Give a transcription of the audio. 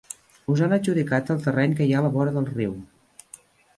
Us han adjudicat el terreny que hi ha a la vora del riu.